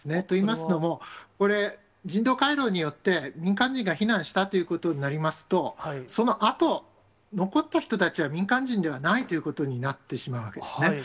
といいますのも、これ、人道回廊によって民間人が避難したということになりますと、そのあと残った人たちは民間人ではないということになってしまうわけですね。